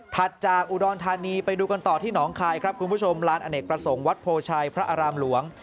จากอุดรธานีไปดูกันต่อที่หนองคายครับคุณผู้ชมลานอเนกประสงค์วัดโพชัยพระอารามหลวง